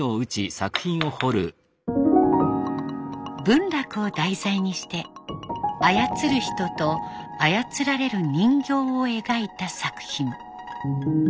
文楽を題材にして操る人と操られる人形を描いた作品。